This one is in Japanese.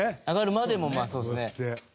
上がるまでもまあそうっすね。